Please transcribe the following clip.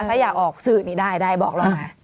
ถ้าอยากออกสื่อนี้ได้ได้บอกเราไง